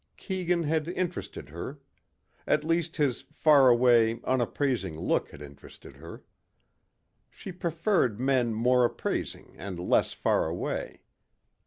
Keegan had interested her. At least his far away, unappraising look had interested her. She preferred men more appraising and less far away.